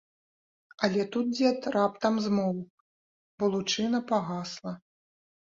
Але тут дзед раптам змоўк, бо лучына пагасла.